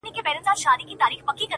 • ورو په ورو د دام پر لوري ور روان سو ,